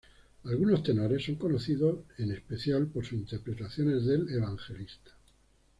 Algunos tenores son conocidos en especial por sus interpretaciones del Evangelista.